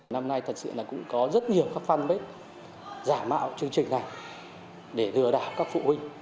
năm nay thật sự là cũng có rất nhiều các fanpage giả mạo chương trình này để lừa đảo các phụ huynh